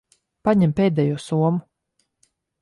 Paņem pēdējo somu.